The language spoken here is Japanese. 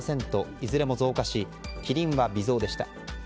いずれも増加しキリンは微増でした。